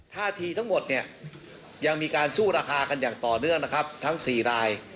ท่าทีทั้งหมดเนี่ยยังมีการสู้ราคากันอย่างต่อเนื่องนะครับทั้ง๔ราย